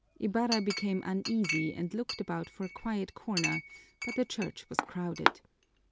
Ibarra became uneasy and looked about for a quiet corner, but the church was crowded.